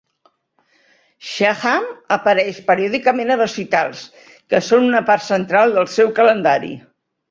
Shaham apareix periòdicament a recitals, que són una part central del seu calendari.